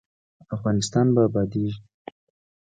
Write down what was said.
افغانستان به ابادیږي؟